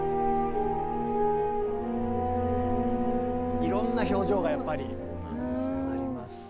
いろんな表情がやっぱりありますね。